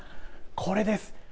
これです！